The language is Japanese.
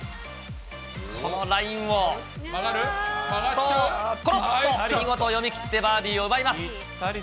このラインを、そう、ころっと見事読み切ってバーディーを奪います。